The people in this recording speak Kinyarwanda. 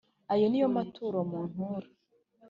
ayo ni yo maturo muntura